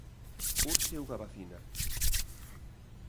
Urxe unha vacina.